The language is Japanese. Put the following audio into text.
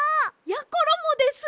やころもです！